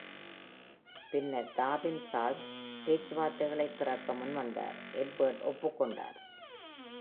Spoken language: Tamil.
பின்னர், டாபின் சார்லஸ் பேச்சுவார்த்தைகளைத் திறக்க முன்வந்தார், எட்வர்ட் ஒப்புக்கொண்டார்.